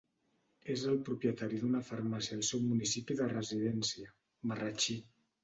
És el propietari d'una farmàcia al seu municipi de residència, Marratxí.